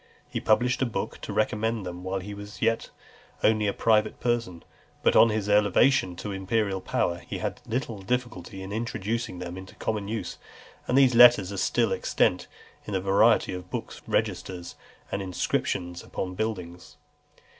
He published a book to recommend them while he was yet only a private person; but on his elevation to imperial power he had little difficulty in introducing them into common use; and these letters are still extant in a variety of books, registers, and inscriptions upon buildings.